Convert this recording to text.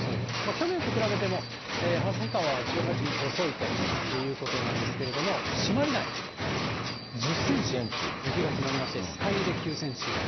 去年と比べても旭川は１８日遅いということなんですけれども、朱鞠内、１０センチ、雪が積もりまして、酸ケ湯で９センチ。